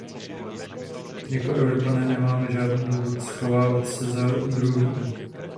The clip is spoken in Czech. Jako Evropané nemáme žádný důvod schovávat se za druhé.